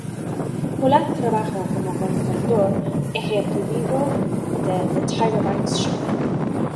Pollack trabajó como consultor ejecutivo de The Tyra Banks Show.